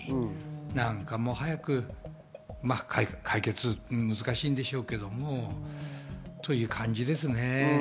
なんか、もう早く、解決は難しいんでしょうけどもという感じですね。